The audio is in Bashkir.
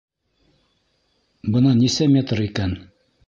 Бынан нисә метр икән?